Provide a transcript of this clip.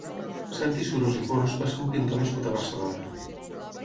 Santi Surós i Forns va ser un pintor nascut a Barcelona.